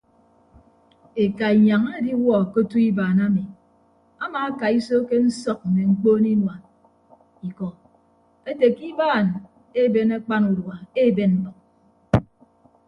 Eka inyañ ediwuọ ke otu ibaan ami amaakaiso ke nsọk mme mkpoon inua ikọ ete ke ibaan eben akpan udua eben mbʌk.